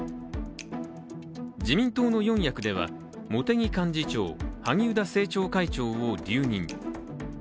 自民党の四役では茂木幹事長、萩生田政調会長を留任。